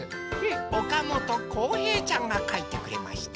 おかもとこうへいちゃんがかいてくれました。